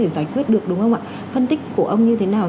để giải quyết được đúng không ạ phân tích của ông như thế nào